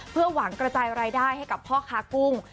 เพื่อหวังกระจายรายได้ให้กับพ่อค้ากุ้ง